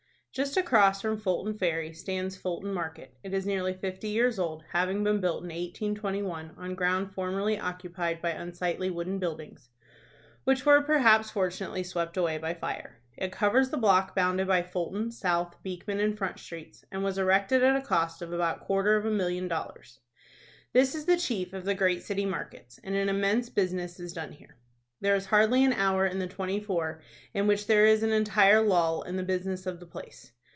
Just across from Fulton Ferry stands Fulton Market. It is nearly fifty years old, having been built in 1821, on ground formerly occupied by unsightly wooden buildings, which were, perhaps fortunately, swept away by fire. It covers the block bounded by Fulton, South, Beekman, and Front Streets, and was erected at a cost of about quarter of a million of dollars. This is the chief of the great city markets, and an immense business is done here. There is hardly an hour in the twenty four in which there is an entire lull in the business of the place.